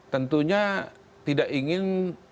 tentunya tidak ingin ahi yang menang